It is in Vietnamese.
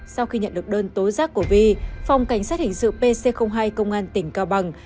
sau khi nhận được đơn tố giác của vi phòng cảnh sát hình sự pc hai công an tỉnh cao bằng